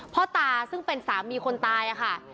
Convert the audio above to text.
พ่อตาซึ่งเป็นสามีคนตายค่ะ